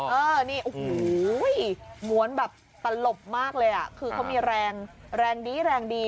โอโหม้วนแบบตลบมากเลยอ่ะเขามีแรงแรงดีแรงดี